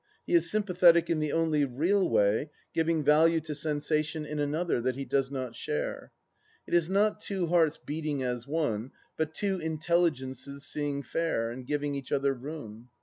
He is sympathetic in the only real way, giving value to sensation in another, that he does not share. It is not two hearts beating as one, but two intelligences seeing fair, and giving each other room.